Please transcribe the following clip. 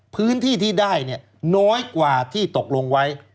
พื้นที่ที่ได้น้อยกว่าที่ตกลงไว้